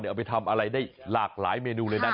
เอาไปทำอะไรได้หลากหลายเมนูเลยนะ